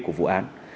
của vụ án